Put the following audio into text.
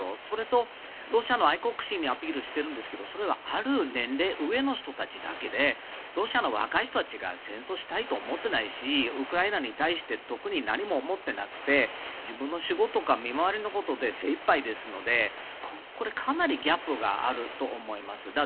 それとロシアの愛国心にアピールしてるんですけどそれはある年齢上の人たちだけでロシアの若い人たちは戦争したいと思っていないしウクライナに対して特に何も思ってなくて自分の仕事とか身の回りのことで精いっぱいですのでこれ、かなりギャップがあると思います。